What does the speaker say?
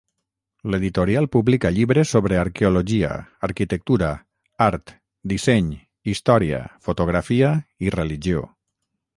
L'editorial publica llibres sobre arqueologia, arquitectura, art, disseny, història, fotografia i religió.